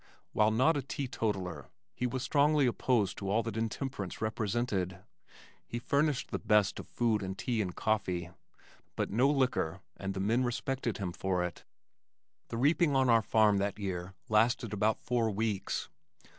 While not a teetotaler he was strongly opposed to all that intemperance represented. He furnished the best of food, and tea and coffee, but no liquor, and the men respected him for it. The reaping on our farm that year lasted about four weeks.